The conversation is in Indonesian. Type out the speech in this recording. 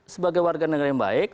sebagai warga negara yang baik